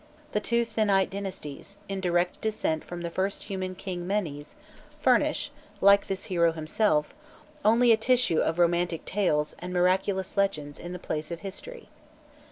The two Thinite dynasties, in direct descent from the first human king Menés, furnish, like this hero himself, only a tissue of romantic tales and miraculous legends in the place of history.